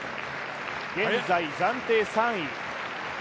現在暫定３位。